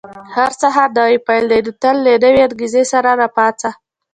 • هر سهار نوی پیل دی، نو تل له نوې انګېزې سره راپاڅه.